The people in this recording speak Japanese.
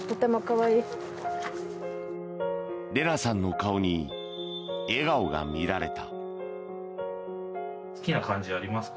レナさんの顔に笑顔が見られた。